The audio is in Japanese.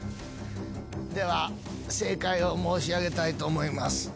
では正解を申し上げたいと思います。